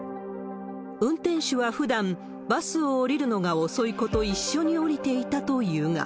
運転手はふだん、バスを降りるのが遅い子と一緒に降りていたというが。